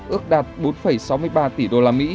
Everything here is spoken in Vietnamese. ước đạt bốn sáu mươi ba tỷ usd